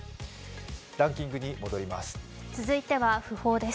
ランキングに戻ります。